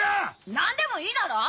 何でもいいだろ！